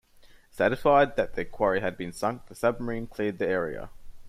Satisfied that their quarry had been sunk, the submarine cleared the area.